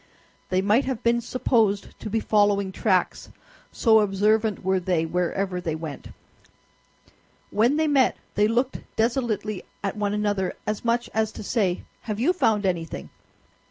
They might have been supposed to be following tracks, so observant were they wherever they went. When they met they looked desolately at one another, as much as to say, "Have you found anything?"